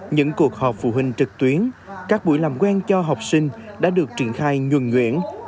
những cuộc họp phụ huynh trực tuyến các buổi làm quen cho học sinh đã được triển khai nhuồn nhuyễn